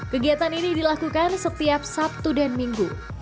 kegiatan ini dilakukan setiap sabtu dan minggu